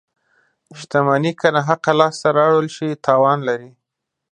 • شتمني که ناحقه لاسته راوړل شي، تاوان لري.